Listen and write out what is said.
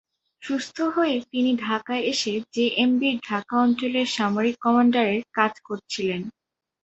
সুস্থ হয়ে তিনি ঢাকায় এসে জেএমবির ঢাকা অঞ্চলের সামরিক কমান্ডারের কাজ করছিলেন।